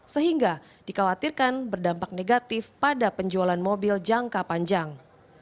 sehingga dikhawatirkan berdampak negatif pada penjualan mobil jangka panjang